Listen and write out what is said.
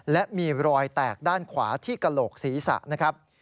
และมีรอยแตกด้านขวาที่กระโหลกศีรษะนะครับ